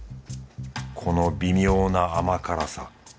この微妙な甘辛さ。